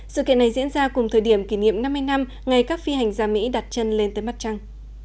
sự kiện này diễn ra cùng thời điểm kỷ niệm năm mươi năm ngày các phi hành gia mỹ đặt chân lên tới mắt trăng